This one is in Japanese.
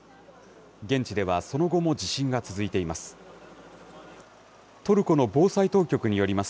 現地ではその後も地震が続いています。